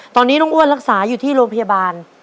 ตอนนี้น้องอ้วนรักษาอยู่ที่โรงพยาบาล